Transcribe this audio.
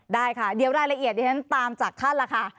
ได้ค่ะเดี๋ยวรายละเอียดดิฉันตามจากท่านล่ะค่ะ